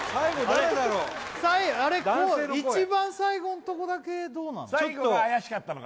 男性の声一番最後のとこだけどうなの？